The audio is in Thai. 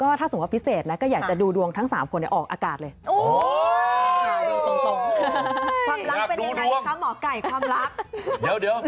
ก็ถ้าสมมุติปิศาสตร์แล้วก็อยากจะดูดวงทั้งสามคนออกอากาศเลย